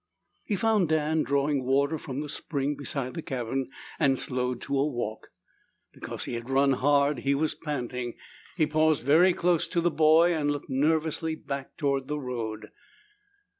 He found Dan drawing water from the spring beside the cabin and slowed to a walk. Because he had run hard, he was panting. He paused very close to the boy and looked nervously back toward the road.